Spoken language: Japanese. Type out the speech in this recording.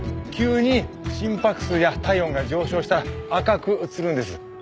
急に心拍数や体温が上昇したら赤く映るんです。